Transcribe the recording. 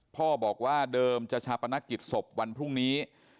พ่อบอกว่าเดิมจะชาปนกิจศพวันพรุ่งนี้